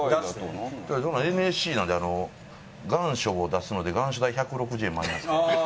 ＮＳＣなんであの「願書を出すので願書代１６０円マイナス」で。